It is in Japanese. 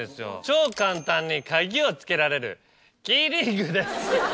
超簡単に鍵を付けられるキーリングです。